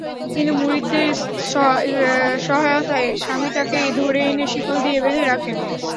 কিন্তু মুরিদদের সহায়তায় স্বামী তাঁকে ধরে এনে শিকল দিয়ে বেঁধে রাখেন।